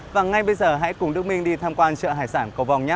và ngay bây giờ hãy cùng đức minh đi tham quan chợ hải sản cầu vòng nhé